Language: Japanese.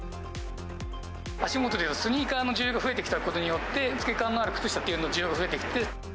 足元ではスニーカーの需要が増えてきたことによって、透け感のある靴下の需要が増えてきて。